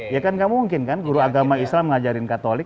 ya kan tidak mungkin guru agama islam mengajarkan katolik